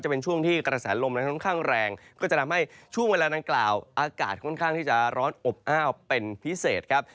เป็นช่วงที่กระแสลมนั้นค่อนข้างแรงก็จะทำให้ช่วงเวลาดังกล่าวอากาศค่อนข้างที่จะร้อนอบอ้าวเป็นพิเศษครับ